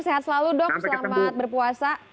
sehat selalu dok selamat berpuasa